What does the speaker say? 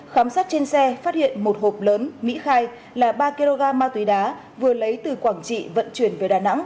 khám xét trên xe phát hiện một hộp lớn mỹ khai là ba kg ma túy đá vừa lấy từ quảng trị vận chuyển về đà nẵng